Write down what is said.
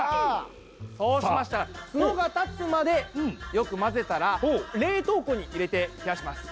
そうしましたらツノが立つまでよくまぜたら冷凍庫に入れて冷やします！